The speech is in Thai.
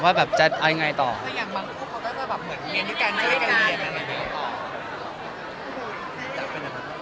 คุณแกเป็นไหนนะครับ